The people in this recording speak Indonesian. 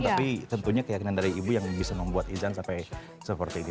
tapi tentunya keyakinan dari ibu yang bisa membuat izan sampai seperti ini